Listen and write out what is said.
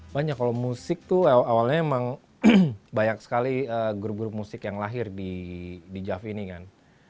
banyak kalau musik tuh awalnya emang banyak sekali grup grup musik yang lahir di jav ini kan